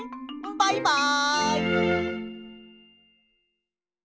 バイバイ！